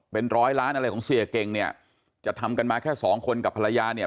เป็นร้อยล้านอะไรของเสียเก่งเนี่ยจะทำกันมาแค่สองคนกับภรรยาเนี่ย